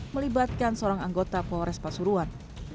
melibatkan seorang anggota polres pasuruan